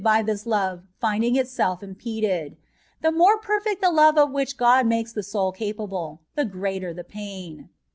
17 by this love finding itself impeded ; the more per fect the love of whìch God makes the soni capable, the greater the paìn.